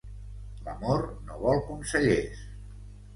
L'amor no vol consellers.